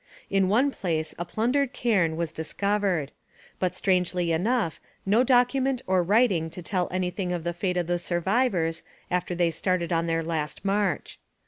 In one place a plundered cairn was discovered. But, strangely enough, no document or writing to tell anything of the fate of the survivors after they started on their last march.